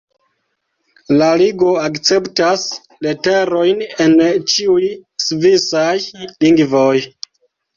La ligo akceptas leterojn en ĉiuj svisaj lingvoj.